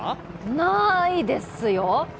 ないですよ。